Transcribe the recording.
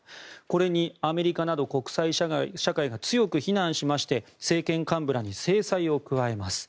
これにアメリカなど国際社会が強く非難しまして政権幹部らに制裁を加えます。